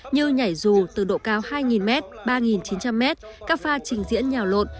như nhảy dù từ độ cao hai m ba chín trăm linh m các pha trình diễn nhào lộn